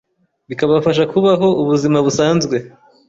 bikabafasha kubaho ubuzima busanzwe